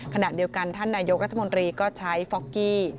ขณะเดียวกันท่านนายกรัฐมนตรีก็ใช้ฟอกกี้